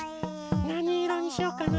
なにいろにしようかな？